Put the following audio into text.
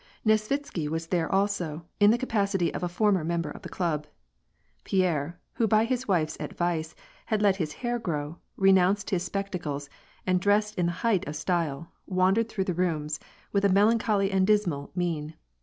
Kesvitsky was there, also, in the capacity of a former mem ber of the club. Pierre, who, by his wife's advice, had let his hair grow, re itonneed his spectacles, and dressed in the height of style, wan dered through the rooms with a melancholy and dismal mien.